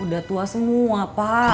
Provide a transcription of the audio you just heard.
udah tua semua pak